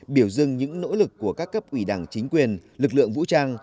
biểu dưng những nỗ lực của các cấp ủy đảng chính quyền lực lượng vũ trang